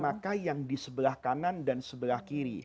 maka yang di sebelah kanan dan sebelah kiri